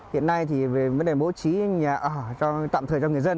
hiện nay về vấn đề bố trí tạm thời cho người dân